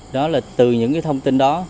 đó là từ những thông tin đó